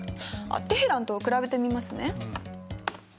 テヘランと比べてみますね。